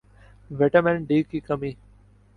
vitamin D کی کمی